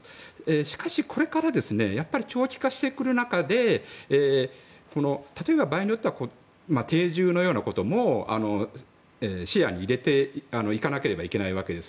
しかし、これから長期化してくる中で例えば、場合によっては定住のようなことも視野に入れていかなければいけないわけです。